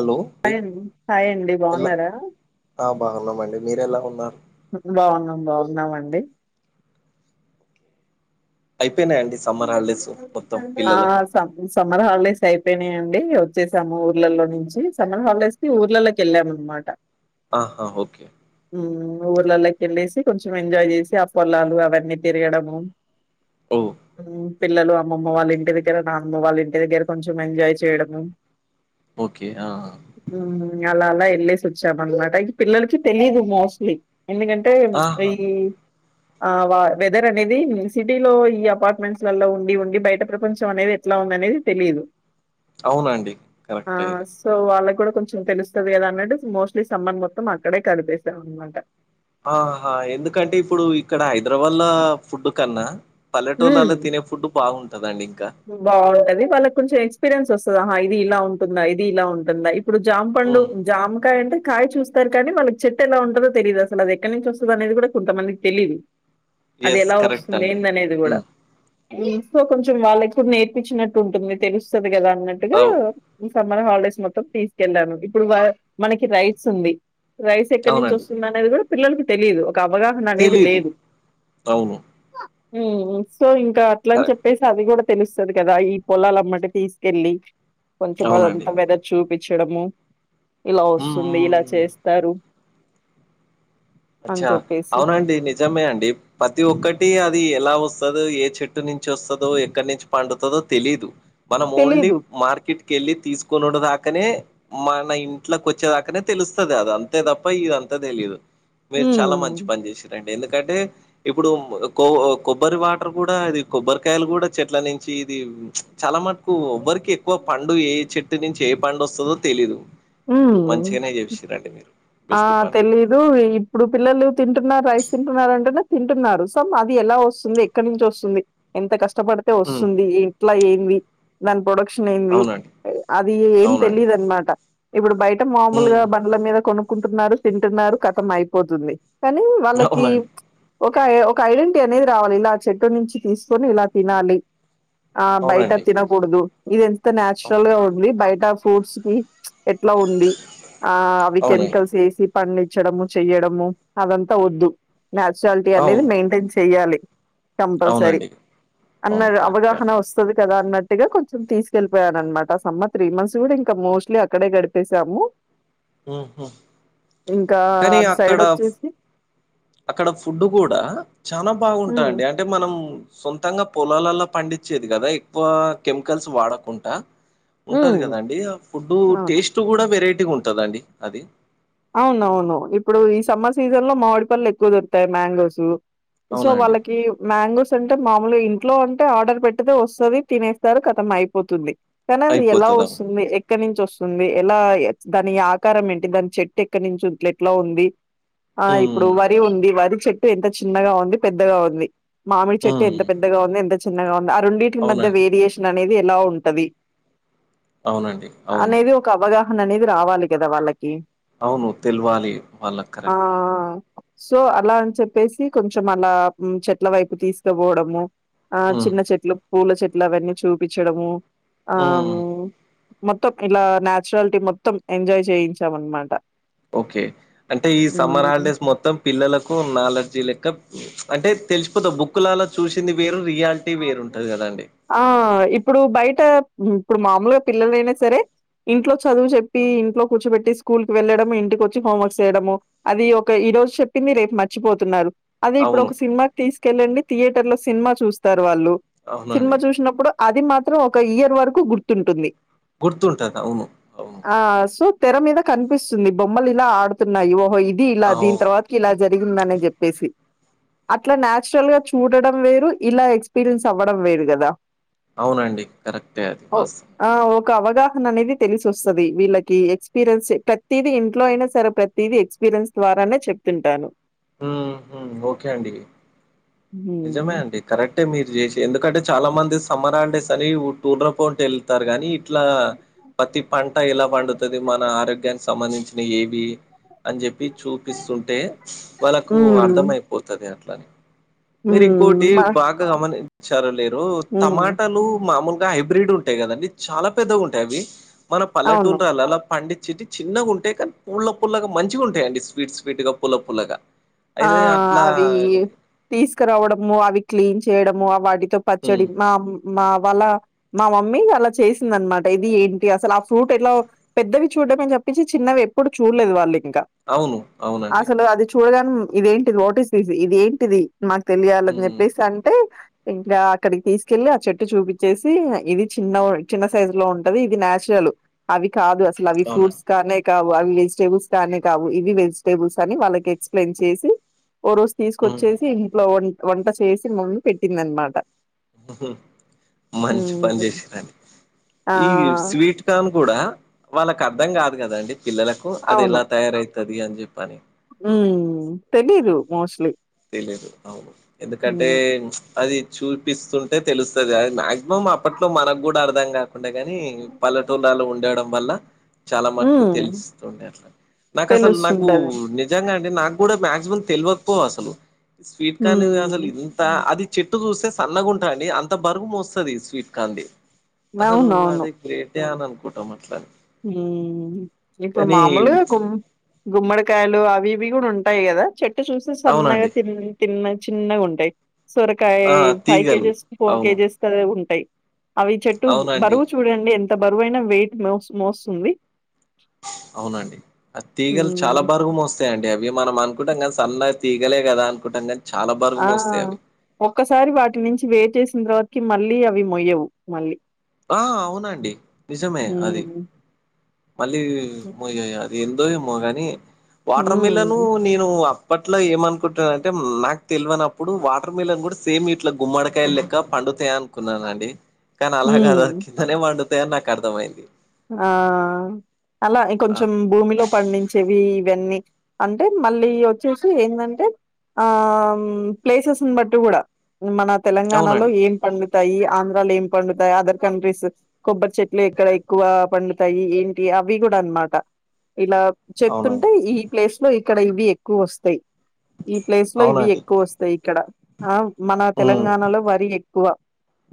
Hello అండి hi అం hi అండి ఎలా బాగున్నారా ఆ బావున్నామండి మీరెలా ఉన్నారు బావున్నాం బావున్నామండి అయిపోయినాయండి సమ్మర్ హాలిడేస్ మొత్తం ఆ పిల్లలకు తం సమ్మర్ హాలిడేస్ అయిపోయినయి అండి ఇగ వచ్చేసాము ఊర్లలో నుంచి సమ్మర్ హాలిడేస్ కి ఊర్లల్లకెళ్ళాం అనమాట ఆహా ఓకే ఊ ఊర్లల్లోకి ఎళ్ళేసి కొంచెం ఎంజాయ్ చేసి ఆ పొలాలు అవన్నీ తిరగడము అవ్ ఉమ్ పిల్లలు అమ్మమ్మ వాళ్ళ ఇంటి దగ్గర నానమ్మ వాళ్ళ ఇంటి దగ్గర కొంచం ఎంజాయ్ చేయడము ఓకే ఆ ఉమ్ అలా అలా ఎళ్ళేసి వచ్చాం అనమాట ఈ పిల్లలకి తెలీయదు మోస్ట్లీ ఎందుకంటే ఈ ఆహా ఆ వా వెదర్ అనేది సిటీలో ఈ అపార్ట్ మెంట్స్ లలో ఉండి ఉండి బయట ప్రపంచం అనేది ఎట్లా ఉంది అనేది తెలీదు అవునండి ఆ! కరెక్టే ఇది సో వాళ్ళకి కూడా కొంచెం తెలుస్తది కదా అన్నట్టు మోస్ట్లీ సమ్మన్ మొత్తం అక్కడే కడిపేసాం అనమాట ఆహా ఎందుకంటే ఇప్పుడు ఇక్కడ హైదరాబాద్ ల ఫుడ్డు కన్నా పల్లెటూళ్లల్ల తినే ఫుడ్డు బాగుంటందండి ఇంకా ఊ బావుంటది వాళ్ళకి కొంచెం ఎక్స్పీరియన్స్ వస్తది ఆహా ఇది ఇలా ఉంటుందా ఇది ఇలా ఉంటుందా ఇ ప్పుడు జాంపండు ఉమ్ జామకాయ అంటే కాయ్ చూస్ తారు కానీ వాళ్ళకి చెట్టు ఎలా ఉంటదో తెలీదు అసలు అది ఎక్కడి నుంచి వస్తది అనేది కూడా కొంతమందికి తెలీదు అది ఎస్ ఎలా కరెక్ట్ వస్తుంది అండి ఏందనే ది కూడా ఉమ్ ఇంకొ కొంచెం వాళ్ళకి కూడా నేర్పిచ్చినట్టు ఉంటుంది తెలుస్తది కదా అన్న ట్టుగా అవు సమ్మర్ హాలిడేస్ మొత్తం తీసుకెళ్ళాను ఇప్పుడు వ మనకి రైట్స్ ఉంది రైస్ ఎక్కడి నుంచి అవునండి వస్తుంది అనేది కూడా పిల్లలకి తెలీదు ఒక అవగాహన అనేది తెలీదు లేదు అవును ఉమ్ సో ఇంకా అట్ల అని కరెక్ట్ చెప్పేసి అది కూడా తెలుస్తది కదా ఈ పొలాలమ్మట తీసుకెళ్ళి కొంచం అవునండి అదంతా వెదర్ చూపిచ్చడము ఇలా ఉమ్ వస్తుంది ఉమ్ ఇలా ఉమ్. చేస్తారు అని అచ్చా చెప్పేసి అవునండి నిజమే అండి ప్రతి ఒక్కటి అది ఎలా వస్తదో ఏ చెట్టు నుంచి వస్తదో ఎక్కడి నుంచి పండుతదో తెలీదు మనం ఓన్లీ తెలీదు. మార్కెట్ కెళ్ళి తీసుకొనుడు దాకనే మన ఇంట్లోకి వచ్చేదాకానే తెలుస్తాది అది అంతే తప్ప ఇదంతా తెలీదు మీరు చాలా మంచి హ్మ్. పని చేసిర్రండి ఎందుకంటే ఇప్పుడు ఉమ్ కొ కొబ్బరి వాటర్ కూడా అది కొబ్బరికాయలు కూడా చెట్ల నుంచి ఇది చాలా మటుకు ఎవ్వరికీ ఎక్కువ పండు ఏ చెట్టు నుంచి ఏ పండు వస్తదో తెలీదు ఊ మంచిగానే చేసిర్రండి మీరు. ఆ బెస్ట్ పని. తెలీదు ఈ ఇప్పుడు పిల్లలు తింటున్నా రైస్ తింటున్నారు అంటేనే తింటున్నారు సో అది ఎలా వస్తుంది ఎక్కడి నుంచి వస్తుంది ఎంత కష్టపడితే హ్మ్. వస్తుంది ఏ ట్లా ఏంది దాని ప్రొడక్షన్ ఏంది అవునండి. అది ఏం అవునండి. తెలీదు అనమాట ఇప్పుడు బయట హ్మ్. మామూలుగా బండ్ల మీద కొనుక్కుంటున్నారు తింటున్నారు ఖతం అయిపోతుంది కానీ వాళ్ళకి అవునండి. ఒక ఒక ఐడెంటిటీ అనేది రావాలి ఇలా చెట్టు నుంచి తీసుకొని ఇలా తినాలి ఆ బయట అవునండి. తినకూడదు ఇది ఎంత న్యాచురల్ అవును. గా ఉంది బయట ఫ్రూట్స్ కి ఎట్లా ఉంది ఆ అవి అవునండి. కెమికల్స్ ఏసి పండిచ్చడము చెయ్యడము అవంతా వద్దు నాచురాలిటీ అనేది అవును. మెయింటైన్ చెయ్యాలి కంపల్సరీ అవునండి. అన్న అవును. కరెక్టే. అవగాహన వస్ స్తు కదా అన్నట్టుగా కొంచం తీసుకెళ్లిపోయారన్నమాట ఆ సమ్మ త్రీ మంత్స్ కూడా ఇంకా మోస్ట్లీ అక్కడే గడిపేశాము మ్ హు ఇంకా అటు సైడ్ వచ్చేసి అక్కడ ఫుడ్డు కూడా చాల ఉమ్ బాగుంటదండి అంటే మనం సొంతంగా పొలాలలో పండించేది కదా ఎక్కువ కెమికల్స్ వాడకుండా ఉంటది ఉమ్ కదండి ఆ ఫుడ్ అవును టేస్ట్ కూడా వెరైటీగ ఉంటదండి అది అవునవును ఇప్పుడు ఈ సమ్మర్ సీజన్ లో మామిడి పళ్ళలు ఎక్కువ దొరుకుతాయి మ్యాంగోస్ సో అవునా అండి? వాళ్ళకి మ్యాంగోస్ అంటే మామూలు ఇంట్లో అంటే ఆర్డర్ పెట్టితే వస్తుంది తినేస్తారు కథం అయిపోతుంది కానీ అది ఎలా అయిపోతది. అవును. వస్తుంది ఎక్కడి నుంచి వస్తుంది ఎలా దాని ఆకారం ఏంటి దాని చెట్ ట్టేక్కడి నుంచి ఏట్ల ఉంది ఆ ఇప్పుడు హ్మ్. వరి ఉంది వరి చెట్ ట్టు ఎంత చిన్నగా ఉంది పెద్దగా ఉంది మామిడి చెట్టు హ్మ్. ఎంత పెద్దగా ఉంది ఎంత చిన్నగా ఉంది అ రెండిట్ కి మధ్య అవునండి. వేరియేషన్ అనేది ఎలా ఉంటది అవునండి అవును అనేది ఒక అవగాహన అనేది రావాలి కదా వాళ్ళకి అవును తెలువాలి వాళ్ళక్ ఆ సో అలా అని చెప్పేసి కొంచెం అలా చెట్ల వైపు తీసుకపోవడము ఆ హ్మ్. చిన్న చెట్లు పూల చెట్లు అవన్నీ చూపించడము ఆ హ్మ్. మొత్తం ఇలా నాచురాలిటీ మొత్తం ఎంజాయ్ చేయించాం అనమాట ఓకే అంటే ఈ సమ్మర్ హాలిడేస్ మొత్తం పిల్లలకు నాలెడ్జీ లెక్క అంటే తెలిసిపోతాది బుక్కులళ్ళ చూసింది వేరు రియాల్ ల్టీ వేరు ఉంటది కదా అండి ఆ ఇప్పుడు బయట ఇప్పుడు మామూలుగా పిల్లలైనా సరే ఇంట్లో చదువు చెప్పి ఇంట్లో కూర్చోబెట్టి స్కూల్ కు వెళ్లడము ఇంటికి వచ్చి హోంవర్క్ చేయడము అది ఒక ఈ రోజు చెప్పింది రేపు మర్చిపోతున్నారు అదే ఇప్పుడు అవును. ఒక సినిమాకి తీసుకెళ్ళండి థియేటర్ లో సినిమా చూస్తారు వాళ్ళు సినిమా అవునండి. చూసినప్పుడు అది మాత్రం ఒక ఇయర్ వరకు గుర్తుంటుంది గుర్తుంటది అవును అవును. ఆ సో తెర మీద కనిపిస్తుంది బొమ్మలు ఇలా ఆడుతున్నాయి ఓహో ఇది ఇలా అవు దీని తర్వాత కిలా జరిగిందని చెప్పేసి అట్లా నచురల్గా చూడడం వేరు ఇలా ఎక్స్పీరియన్స్ అవ్వడం వేరు కదా అవునండి కరెక్టే అది వాస్తవం ఆ ఒక అవగాహన అనేది తెలిసొస్తది వీళ్ళకి ఎక్స్పీరియన్స్ ప్రతిది ఇంట్లో అయినా సరే ప్రత్ తిది ఎక్స్పీరియన్స్ ద్వారానే చెప్తుంటాను మ్ హు ఓకే అండి హ్మ్. నిజమే అండి కరెక్టే మీరు చేసి ఎందుకంటే చాలా మంది సమ్మర్ హల్ డేస్ అని టూర్్ర పోంటి వెళ్తారు కాని ఇట్లా ప్రతి పంట ఎలా పండుతది మన ఆరోగ్యానికి సంబంధించిన ఏవి అని చెప్పి చూపిస్తుంటే వాళ్ళకు హ్మ్. అర్థం అయిపోతది అట్లని మీరు ఇంకోటి హ్మ్. మ బాగా గమనించారోలేదో హ్మ్. టమాటాలు మామూలు హైబ్రిడ్ ఉంటాయి కదండి చాలా పెద్దగ ఉంటాయి అవి మన అవును. పల్లెటూర్లల్ల పండించేటి చిన్నగుఉంటాయి కానీ పూల్ల పూల్లగా మంచిగా ఉంటాయండి స్వీట్ స్వీట్ గా పూల్ల పూల్లగా ఆ అవి తీసుకురావడము అవి క్లీన్ చేయడము వాటితో హ్మ్. పచ్చడి మా మా వాళ్ళ మా మమ్మీ అలా చేసిందనమాట ఇది ఏంటి అసలు ఆ ఫ్రూట్ ఎలా పెద్దవి చూడమే తప్పించి చిన్నవి ఎప్పుడు చూడలేదు వాళ్ళు ఇంకా అవును. అవునండి. అసలు అది చూడడం ఇదేంటి వాట్ ఇస్ దిస్ ఇది ఏంటిది మాకు తెలియాలని హ్మ్ చెప్పేసి అంటే ఇంకా అక్కడికి తీసుకెళ్ళి ఆ చెట్టు చూపిచ్చేసి ఇది చిన్న చిన్న సైజు లో ఉంటది ఇది నచురల్ అవి కాదు అస అవి అవునండి. ఫ్రూట్స్ కానే కావు అవి వెజిటేబుల్స్ కానే కావు ఇవి వెజిటబుల్స్ అని వాళ్ళకి ఎక్స్ప్లెయిన్ చేసి ఓ రోజు హ్మ్. తీసుకొచ్చేసి ఇంట్లో వ వంట చేసి మమ్మీ పెట్టింది అనమాట హుహు మంచి పని చేసిరండి ఆ! ఈ స్వీట్ కార్న్ కూడా వాళ్ళకి అర్థం కాదు కదండి పిల్లలకు అది ఎలా తయారయితది అని చెప్పని ఉ తెలిదు మోస్ట్లీ తెలీదు అవును ఎందుకంటే అది చూపిస్తుంటే తెలుస్తుంది అది మాక్సిమం అప్పట్లో మనకు కూడా అర్ధం కాకుండే కానీ పల్లెటూలాలో ఉండడం వల్ల చాలా మట్టుకు హ్మ్. తెలుస్తుండే అట్లా నాకు అసలు నాకు తెలుస్తుంటది. నిజంగా అంటే నాకు కూడా మాక్సిమం తెలవకపోవు అసలు స్వీట్ కార్న్ అసలు హ్మ్. ఇ త అది చెట్టు చూస్తే సన్నగాంటాంది అండి అంత బరువు మోస్తది స్వీట్ కార్న్ది అసలు అవునవును అదే గ్రేటే అనే అనుకుంటమట్లా ఉమ్ ఇప్పుడు మామూలుగా గు గుమ్మడికాయలు అవి ఇవి కూడా ఉంటాయి కదా చెట్టు చూసి సన్నగా అవునండి. తి తిన్న చిన్నగా ఉంటాయి సొరకాయ ఆ! ఫైవ్ తీగలు కేజెస్ ఫోర్ అవును. కేజెస్ ఉంటాయి అవి చెట్టు అవునండి. బరువు చూడండి ఎంత బరువైన వెయిట్ మో మోస్తుంది అవునండి ఆ తీగలు హ్మ్. చాలా బరువు మోస్తయండి అవి మనం అనుకుంటాం కానీ సన్నగా తీగలే కదా అనుకుంటాం కానీ ఆ ఒక్కసారి వాటి నుంచి వేర్ చేసిన తర్వాతకి మళ్ళీ అవి మొయ్యవు మళ్ళీ ఆ అవునండి నిజమే అది హ్మ్. మళ్ళీ మోయది ఎందో ఏమో గాని వాటర్ మిలన్ హ్మ్. నేను అప్పట్ల ఏమనుకుంటురంటే నాకు తెలువనప్పుడు వాటర్ మిలన్ కూడా సేమ్ ఇట్లా గుమ్మడికాయలు లెక్క పండుతయ్ నుకున్నానండి కానీ అలా కాదు హ్మ్. కిందనే పండుతాయని నాకు అర్థమైంది ఆ అలా ఇకొంచెం అది. భూమిలో పండి చెవి ఇవన్నీ అంటే మళ్ళీ వచ్చేసి ఏందంటే ఆ ప్లేసెస్ని బట్టి కూడా మన తెలంగాణలో అవునండి. ఏం పండుతాయి ఆంధ్రాలో ఏం పండుతాయి అదర్ కంట్రీస్ కొబ్బరి చెట్లు ఎక్కడ ఎక్కువ పండుతాయి ఏంటి అవి కూడా అనమాట ఇలా అవునండి. చెప్తుంటే ఈ ప్లేస్ లో ఇక్కడ ఇవి ఎక్కువ వస్తాయి ఈ ప్లేస్ లో ఇవి అవునండి. ఎక్కువ వస్తాయి ఇక్కడ ఆ మన హ్మ్. తెలంగాణలో వరి ఎక్కువ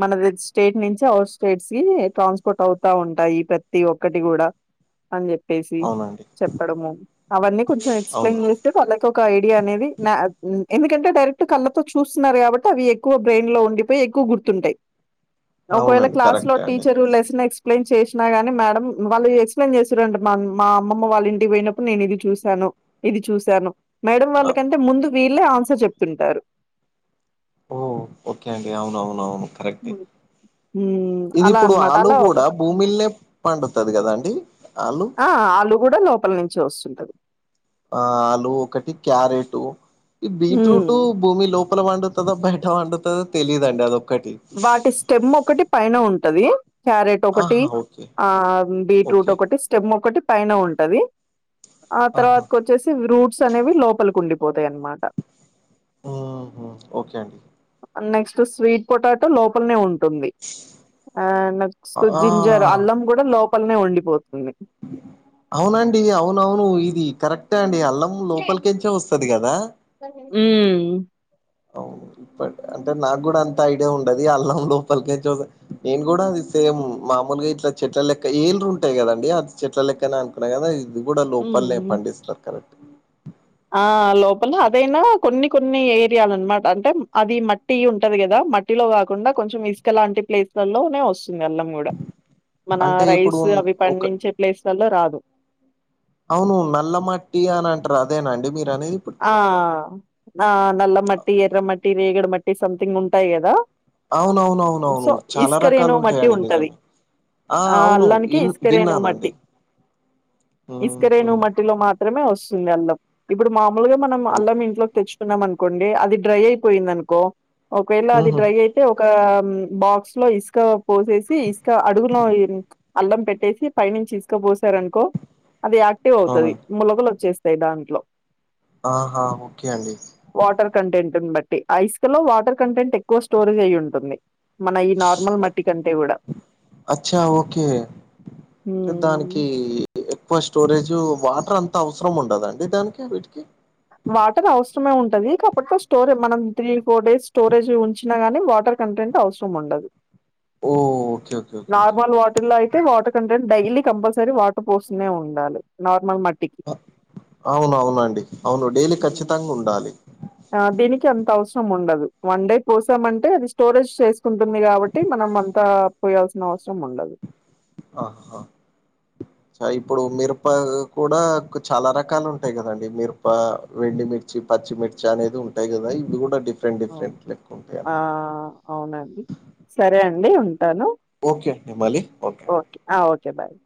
మనది స్టేట్ నుంచి అవర్ స్టేట్స్ కి ట్రాన్స్పోర్ట్ అవుతా ఉంట ట్టాయి ప్రతి ఒక్కటి కూడా అని చెప్పేసి అవునండి. చెప్పడము అవన్నీ కొంచెం అవును. ఎక్స్ప్లెయిన్ చేస్త వాళ్ళకి ఒక ఐడియా అనేది ఎందుకంటే డైరెక్ట్ కళ్ళతో చూస్తున్నారు కాబట్టి అవి ఎక్కువ బ్రెయిన్ లో ఉండిపోయి ఎక్కువ గుర్తుంటాయి ఒకవేళ అవునండి. క్లాస్ లో కరెక్టే అండి. టీచర్ లెసన్ ఎక్స్ప్లెయిన్ చేసి నా గాని మేడం వాళ్ళు ఎక్స్ప్లెయిన్ చేస్తారండి మా అమ్మమ్మ వాళ్ళ ఇంటి పోయినప్పుడు నేను ఇది చూశాను ఇది చూశాను మేడం అ వాళ్ళకంటే ముందు వీళ్ళే ఆన్సర్ చెప్తుంటారు ఓ ఓకే అండి అవునవునవును కరెక్టే మ్ ఇది ఇప్పుడు ఆలు కూడా భూమిల్నే పండుతది కదాండి ఆ ఆళు కూడా లోపల నుంచే వస్తుంటది ఆ ఆలు ఒకటి క్యారెట్ ఈ బీట్రూట్ ఉమ్ భూమి లో పల పండుతదో బయట పండుతదో తెలియదండి అదొక్కటి వాటి స్టెమ్ ఒకటి పైన ఉంటది క్యారెట్ ఒకటి ఆహా ఓకే ఆ బీట్రూట్ ఓకే ఒకటి స్టెమ్ ఒకటి పైన ఉంటది ఆ ఆహా తర్వాతకు వచ్చేసి రూట్స్ అనేవి లోపలికి ఉండిపోతాయి అన్నమాట మ్ హు ఓకే అండి నెక్స్ట్ స్వీట్ పొటాటో లోపలనే ఉం టుంది అ నెక్స్ట్ ఆ జింజర్ అల్లం కూడా లోపలనే ఉండిపోతుంది అవునండి అవునవును ఇది కరెక్ క్టే అండి అల్లం లోపలికేంచే వస్తది కదా మ్ అవును ఇప్పడు అంటే నాకు కూడా అంత ఐడియా ఉండది అల్లం లోపలికేచ్ వస్ నేను కూడా అది సేమ్ మామూలుగా ఇట్లా చెట్ల లెక్క ఏర్లు ఉంటాయి కదండి అది చెట్ల లెక్క అని అనుకున్నా కదా ఇది కూడా లోపల్నే హ్మ్ పండిస్తారు కరెక్ ఆ లోపల అదైనా కొన్ని కొన్ని ఏరియాలనమట అంటే అది మట్ ట్టి ఉంటది కదా మట్టిలో కాకుండా కొంచెం ఇసుకలాంటి ప్లేస్లలోనే వస్తుంది అల్లం కూడా మన అంటే ఇప్పుడు రైస్ అవి ఒక పండించే ప్లేస్లలో రాదు అవును నల్లమట్టి అని అంటారు అదేనండి మీరు అనేది ఇప్పుడు ఆ ఆ నల్లమట్టి ఎర్రమట్టి రేగడి మట్టి సంథింగ్ ఉంటాయి కదా అవునవునవునవును సో చాలా రకాలు ఇసుకరేణువు మట్టి ఉంటాయండి ఉంటది నిజమే ఆ అవును అల్లానికి ఇన్ ఇసుకరేణువు విన్నానండి మట్టి ఓ హో లో మాత్రమే వస్తుంది అల్లం ఇప్పుడు మామూలుగా మనం అల్లం ఇంట్లోకి తెచ్ కున్నాం అనుకోండి అది డ్రై అయిపోయింది అనుకో ఒకవేళ అది ఉహు డ్రై అయి తే ఒక బాక్స్ లో ఇసుక పోసేసి ఇసుక అడుగులో అల్లం పెట్టేసి పై నుంచి ఇసుకపోసారనుకో అది యాక్టివ్ అవునా అవుతది మొలకలు వచ్చేస్తాయి దాంట్లో ఆహా ఓకే అండి వాటర్ కంటెంట్ ని బట్టి అ ఇసుకలో వాటర్ కంటెంట్ ఎక్కువ స్టోరేజ్ అయి ఉంటుంది మన ఈ నార్మల్ మట్టి కంటే కూడా అచ్చా ఓకే దానికి ఎక్కువ స్టోరేజ్ వాటర్ అంత అవసరం ఉండదండి దానికి ఆ వీటికి వాటర్ అవసరమే ఉంటది కాబట్ స్టోరే్ మనం త్రీ ఫోర్ డేస్ స్టోరేజ్ ఉంచినాగాని వాటర్ కంటెంట్ అవసరం ఉండదు ఓ okay okay okay okay normal water లో అయితే water content daily compulsory water పోస్తూనే ఉండాలి నార్మల్ మట్ అవునవునండి అవును డైలీ హ్మ్. ఖచ్చితంగా ఉండాలి ఆ దీనికి అంత అవసరం ఉండదు వన్ డే కోసామంటే అది స్టోరేజ్ చేసుకుంటుంది కాబట్ ట్టి మనం అంతా పోయాల్సిన అవసరం ఉండదు ఆహా చ ఇప్పుడు మిరప కూడా చాలా రకాలు ఉంటాయి కదండి మిరప ఎండి మిర్ చ్చి పచ్చిమిర్చి అనేది ఉంటాయి కదా ఇవి కూడా డి ఆ అవునండి సరే అండి ఉంటాను ఓకే అండి మల్లి ఓకే అండి ఆ ఓకే బాయ్